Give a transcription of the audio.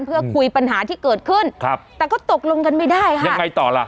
เพื่อคุยปัญหาที่เกิดขึ้นครับแต่ก็ตกลงกันไม่ได้ค่ะยังไงต่อล่ะ